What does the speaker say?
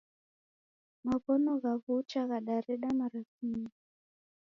Maw'ono gha w'ucha ghadareda marasimio.